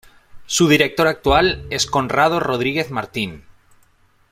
Su director actual es Conrado Rodríguez Martín.